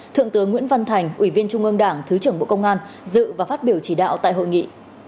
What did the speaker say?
thượng tướng nguyễn văn thành ủy viên trung ương đảng thứ trưởng bộ công an dự và phát biểu chỉ đạo tại hội nghị